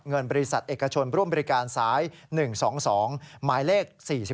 เงินบริษัทเอกชนร่วมบริการสาย๑๒๒หมายเลข๔๒